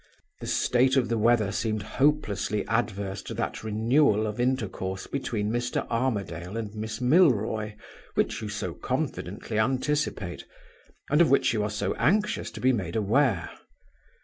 "The state of the weather seemed hopelessly adverse to that renewal of intercourse between Mr. Armadale and Miss Milroy which you so confidently anticipate, and of which you are so anxious to be made aware.